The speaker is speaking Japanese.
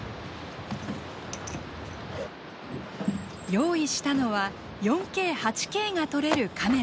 用意したのは４Ｋ８Ｋが撮れるカメラ。